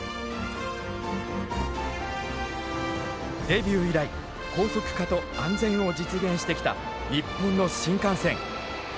デビュー以来高速化と安全を実現してきた日本の新幹線。